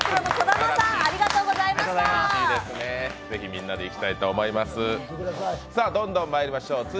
ぜひみんなで行きたいと思います。